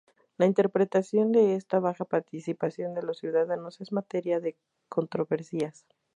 La interpretación de esta baja participación de los ciudadanos es materia de controversias.